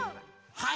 はい！